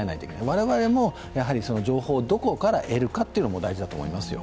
我々も情報をどこから得るかというのも大事だと思いますよ。